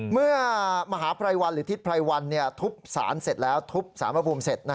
เมื่อทิศไพรวัลทุบสารเสร็จแล้วทุบสารพระภูมิเสร็จ